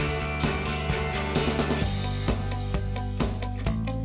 ไม่มีทางเลือก